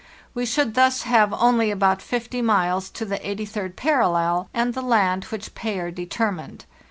We should thus have only about 50 miles to the 83d parallel and the land which Payer determined.